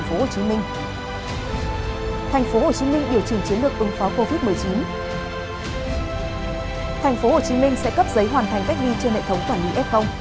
phố hồ chí minh sẽ cấp giấy hoàn thành cách ghi trên hệ thống quản lý f